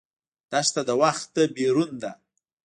دښته د وخت نه بېرون ده.